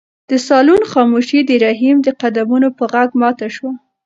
د صالون خاموشي د رحیم د قدمونو په غږ ماته شوه.